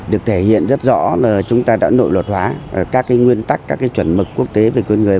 được thể hiện rất rõ là chúng ta đã nội luật hóa các nguyên tắc các chuẩn mực quốc tế về quyền người